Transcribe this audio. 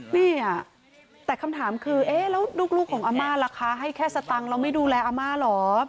นี่อ่ะแต่คำถามคือแล้วลูกของอำมาตย์ราคาให้แค่สตังค์เราไม่ดูแลอำมาตย์หรอ